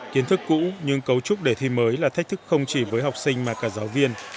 kiến thức cũ nhưng cấu trúc đề thi mới là thách thức không chỉ với học sinh mà cả giáo viên